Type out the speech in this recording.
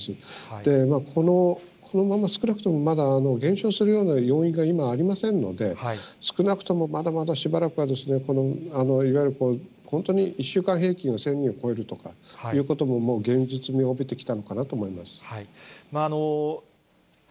で、このまま少なくとも、まだ減少するような要因が今ありませんので、少なくともまだまだしばらくは、いわゆる本当に１週間平均が１０００人超えるとかいうことも、もう現実味を帯びてきたのかなと思います。